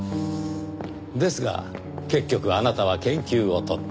ですが結局あなたは研究を取った。